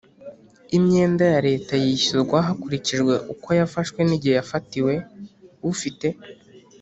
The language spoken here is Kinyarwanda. imyenda ya leta yishyurwa hakurikije uko yafashwe nigihe yafatiwe ufite